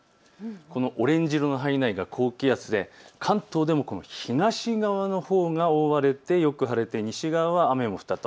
このオレンジ色の範囲内が高気圧で関東でも東側のほうが覆われて、よく晴れて、西側は雨も降ったと。